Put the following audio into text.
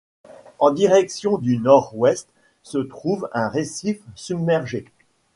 En direction du nord-ouest se trouve un récif submergé.